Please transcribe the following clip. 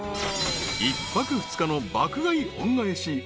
［１泊２日の爆買い恩返し。